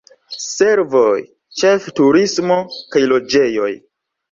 Servoj, ĉefe turismo, kaj loĝejoj.